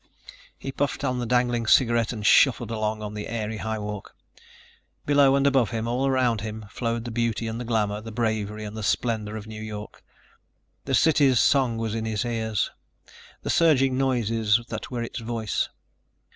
He puffed on the dangling cigarette and shuffled on along the airy highwalk. Below and above him, all around him flowed the beauty and the glamor, the bravery and the splendor of New York. The city's song was in his ears, the surging noises that were its voice.